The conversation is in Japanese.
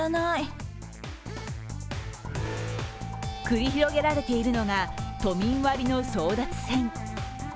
繰り広げられているのが都民割の争奪戦。